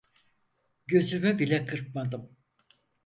Gözümü bile kırpmadım.